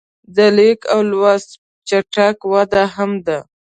د لیک او لوست چټکه وده هم ده.